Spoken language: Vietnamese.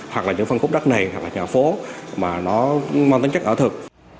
hoặc là những phân khúc đắt nền hoặc là nhà phố mà nó mang tính chất ở thực